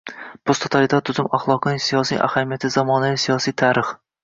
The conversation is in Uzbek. posttotalitar tuzum axloqining siyosiy ahamiyati zamonaviy siyosiy tarix